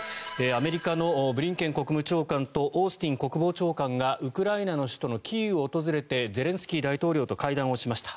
アメリカのブリンケン国務長官とオースティン国防長官がウクライナの首都のキーウを訪れてゼレンスキー大統領と会談をしました。